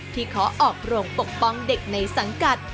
ขอออกโรงปกป้องเด็กในสังกัด